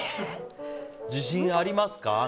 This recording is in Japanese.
自信ありますか？